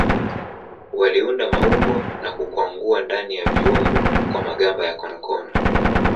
Waliunda maumbo na kukwangua ndani ya viungu kwa magamba ya konokono.